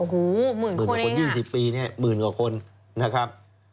หมื่นกว่าคน๒๐ปีหมื่นกว่าคนนะครับ